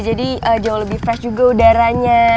jauh lebih fresh juga udaranya